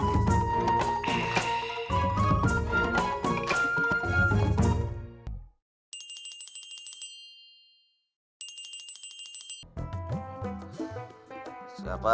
jangan berterima kasih kang